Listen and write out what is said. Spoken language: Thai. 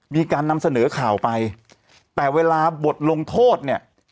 มีการนำเสนอข่าวไปแต่เวลาบทลงโทษเนี่ย